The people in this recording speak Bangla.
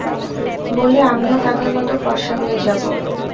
বলে আমিও তাদের মত ফর্সা হয়ে যাব।